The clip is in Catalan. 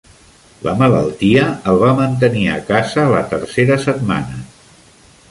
La malaltia el va mantenir a casa la tercera setmana.